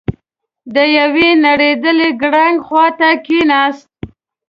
د يوې نړېدلې ګړنګ خواته کېناست.